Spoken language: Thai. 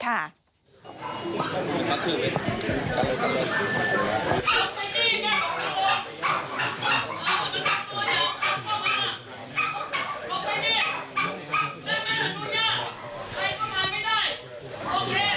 เธอมาหลังแก่แม่ไม่ได้นะ